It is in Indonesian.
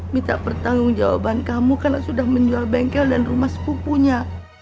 minta pertanggung jawaban kamu karena sudah menjual bengkel dan rumah sepupunya